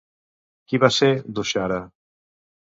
Qui va ser Dushara?